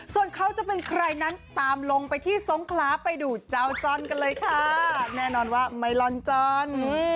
ส่วนเขาจะเป็นใครนั้นตามลงไปที่สงคราไปดูเจ้าจอนกันเลยค่ะแน่นอนว่าไมลอนจอน